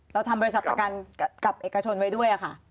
เราทำบริษัทประกันกับเอกชนไว้ด้วยค่ะ